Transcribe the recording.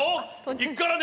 いくからね。